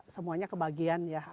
semuanya kebagian ya